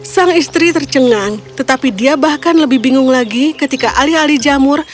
sang istri tercengang tetapi dia bahkan lebih bingung lagi ketika alih alih jamur